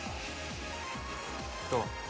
どう？